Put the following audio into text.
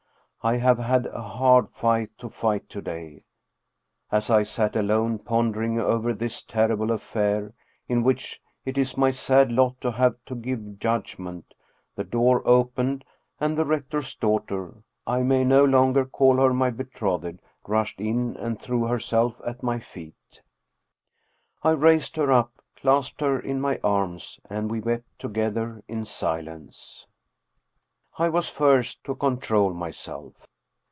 I have had a hard fight to fight to day. As I sat alone, pondering over this terrible affair in which it is my sad lot to have to give judgment, the door opened and the rec tor's daughter I may no longer call her my betrothed rushed in and threw herself at my feet. I raised her up, clasped her in my arms and we wept together in silence. I was first to control myself.